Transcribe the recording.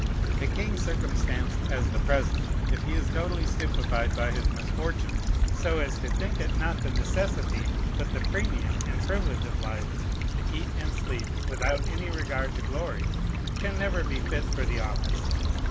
A king circumstanced as the present, if he is totally stupefied by his misfortunes, so as to think it not the necessity, but the premium and privilege of life, to eat and sleep, without any regard to glory, can never be fit for the office.